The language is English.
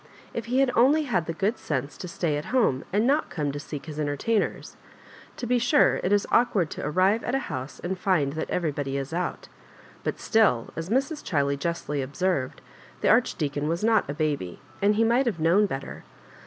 If he had only had the good sense to stay at home, and not come to seek his entertainers! To be sure it is awkward to arrive at a house and find that everybody is out ; but still, as Mrs. Ohiley justly observed, the Archdeacon was not a baby, and he might have known better.